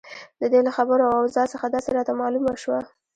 د دې له خبرو او اوضاع څخه داسې راته معلومه شوه.